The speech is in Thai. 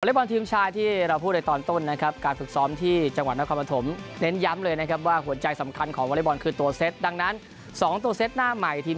วอเรบอลทีมชาติที่เราพูดในตอนต้นนะครับการฝึกซ้อมที่จังหวัดนครพันธม